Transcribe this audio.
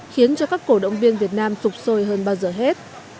khiến cho các cổ động viên việt nam sụp sôi hơn bao giờ hết